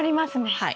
はい。